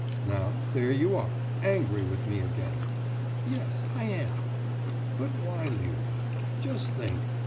« »Now, there you are, angry with me again!« »Yes, I am!« »But why, Liuba? Just think!